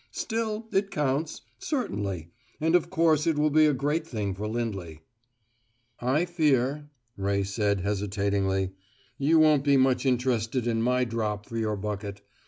Still, it counts certainly; and of course it will be a great thing for Lindley." "I fear," Ray said hesitatingly, "you won't be much interested in my drop for your bucket.